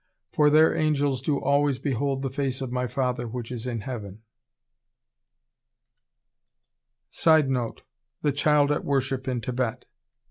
for their angels do always behold the face of my Father which is in heaven." [Sidenote: The Child at Worship in Thibet.